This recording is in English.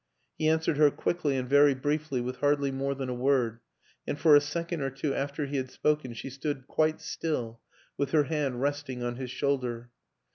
He answered her quickly and very briefly with hardly more than a word and for a second or two after he had spoken she stood quite still, with her hand resting on his shoulder.